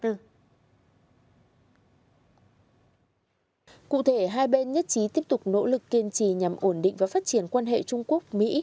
cụ thể hai bên nhất trí tiếp tục nỗ lực kiên trì nhằm ổn định và phát triển quan hệ trung quốc mỹ